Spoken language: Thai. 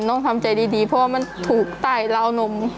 ต้องทำใจดีเพราะว่ามันถูกใต้ราวนม